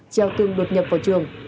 treo tương đột nhập vào trường